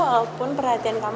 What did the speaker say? sekarang gue ini mencintai mereka